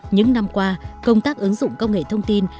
những năm qua công tác ứng dụng công nghệ thông tin